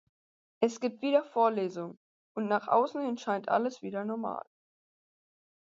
Er gibt wieder Vorlesungen und nach außen hin scheint alles wieder normal.